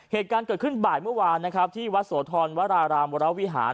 เหตุการณ์เกิดขึ้นบ่ายเมื่อวานนะครับที่วัดโสธรวรารามวรวิหาร